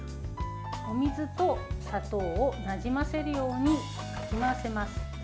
お水と砂糖をなじませるようにかき混ぜます。